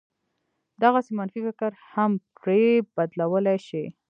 دغسې منفي فکر هم پرې بدلولای شي.